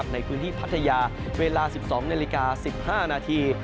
ในพื้นที่พัทยาเวลา๑๒นาฬิกา๑๕นาที